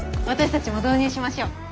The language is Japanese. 私たちも導入しましょう。